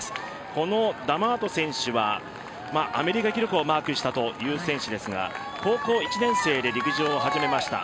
このダマート選手は、アメリカ記録をマークしたという選手ですが、高校１年生で陸上を始めました。